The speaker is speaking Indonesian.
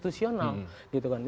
dan juga konstitusional